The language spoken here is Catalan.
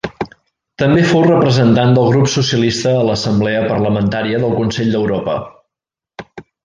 També fou Representant del grup socialista a l'Assemblea parlamentària del Consell d'Europa.